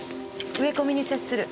植え込みに接する。